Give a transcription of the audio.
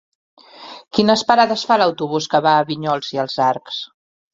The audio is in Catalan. Quines parades fa l'autobús que va a Vinyols i els Arcs?